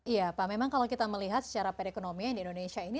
iya pak memang kalau kita melihat secara perekonomian di indonesia ini